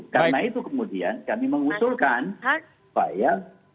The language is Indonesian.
karena itu kemudian kami mengusulkan supaya